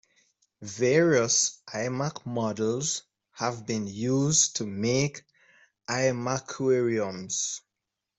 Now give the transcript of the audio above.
Various iMac models have been used to make "iMacquariums".